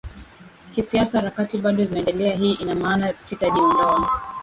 kisiasa Harakati bado zinaendelea Hii ina maana sitajiondoa